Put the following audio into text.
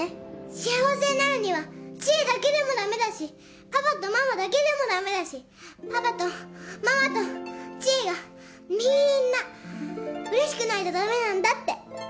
幸せになるには知恵だけでもダメだしパパとママだけでもダメだしパパとママと知恵がみんなうれしくないとダメなんだって。